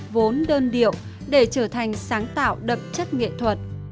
vốn đơn điệu để trở thành sáng tạo đậm chất nghệ thuật